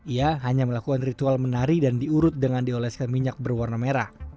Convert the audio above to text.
ia hanya melakukan ritual menari dan diurut dengan dioleskan minyak berwarna merah